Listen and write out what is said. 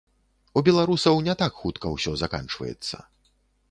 У беларусаў не так хутка ўсё заканчваецца.